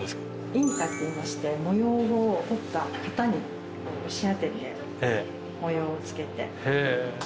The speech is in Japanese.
印花っていいまして模様を彫った型に押し当てて模様をつけて。